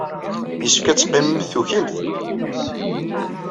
Yessefk ad teqqimemt tukimt.